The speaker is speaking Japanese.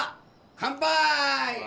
・乾杯！